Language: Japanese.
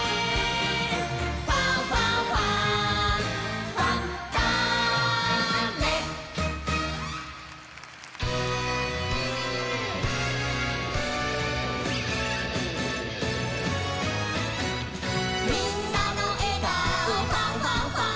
「ファンファンファン」「ファンターネ」「みんなのえがおファンファンファン！」